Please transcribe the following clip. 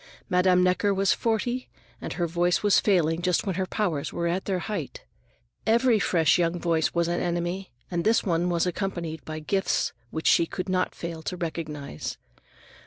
Madame Necker was forty, and her voice was failing just when her powers were at their height. Every fresh young voice was an enemy, and this one was accompanied by gifts which she could not fail to recognize.